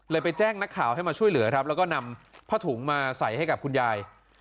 ไปแจ้งนักข่าวให้มาช่วยเหลือครับแล้วก็นำผ้าถุงมาใส่ให้กับคุณยาย